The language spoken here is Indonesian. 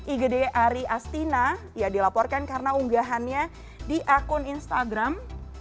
igd ari astina ya dilaporkan karena unggahannya di akun instagram